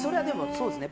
そうですね。